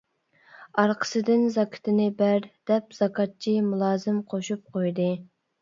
ئارقىسىدىن «زاكىتىنى بەر» دەپ زاكاتچى، مۇلازىم قوشۇپ قويدى.